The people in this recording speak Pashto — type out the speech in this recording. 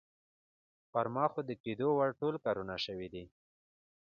پر ما خو د کېدو وړ ټول کارونه شوي دي.